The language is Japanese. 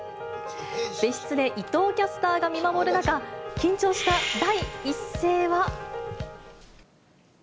別室で伊藤キャスターが見守る中、緊張した第一声は。